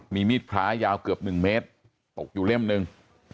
มีมีดพระยาวเกือบ๑เมตรตกอยู่เล่มหนึ่ง